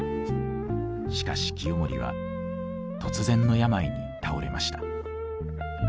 しかし清盛は突然の病に倒れました。